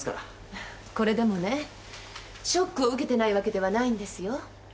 これでもねショックを受けてないわけではないんですよ。